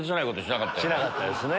しなかったですね。